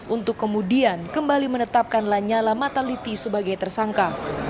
untuk kemudian kembali menetapkan lanyala mataliti sebagai tersangka